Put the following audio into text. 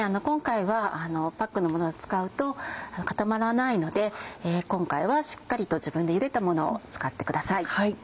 今回はパックのものを使うと固まらないので今回はしっかりと自分でゆでたものを使ってください。